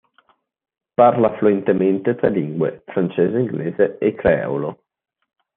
Parla fluentemente tre lingue: francese, inglese e creolo.